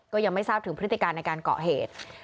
ก็ยังไม่ทราบถึงพฤติการในการก่อเหตุ